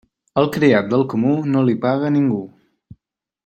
Al criat del comú no li paga ningú.